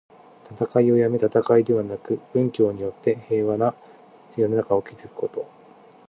戦いをやめ、戦いではなく、文教によって平穏な世の中を築くこと。